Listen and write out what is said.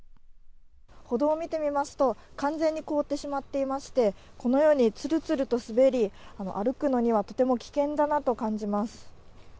歩道を見てみますと完全に凍ってしまっていまして、このようにツルツルと滑り、歩くのにはとても危険かなと感じます。